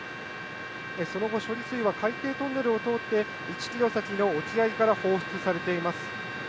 その後、処理水は海底トンネルを通って、１キロ先の沖合から放出されています。